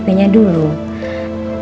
takutnya kita nolak pesanan teteh